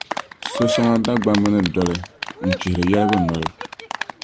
So’ shɛŋa Dagbamb ni doli n-chihiri yɛligu noli.